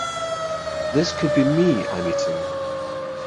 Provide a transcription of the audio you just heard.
This could be me I'm eating.